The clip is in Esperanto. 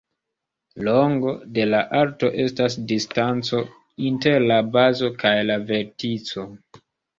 Longo de la alto estas distanco inter la bazo kaj la vertico.